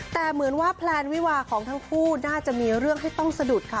แต่เหมือนว่าแพลนวิวาของทั้งคู่น่าจะมีเรื่องให้ต้องสะดุดค่ะ